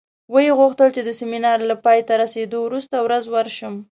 ویې غوښتل چې د سیمینار له پای ته رسېدو وروسته ورځ ورشم.